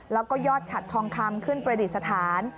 แล้วก็ยอดฉัดทองคำขึ้นประดิษฐาน